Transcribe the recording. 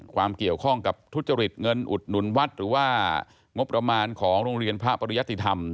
ความเกี่ยวข้องกับทุจริตเงินอุดหนุนวัดหรือว่างบประมาณของโรงเรียนพระปริยติธรรม